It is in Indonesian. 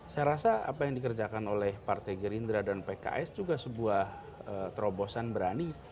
saya rasa apa yang dikerjakan oleh partai gerindra dan pks juga sebuah terobosan berani